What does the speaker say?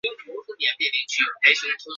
弗勒宁根。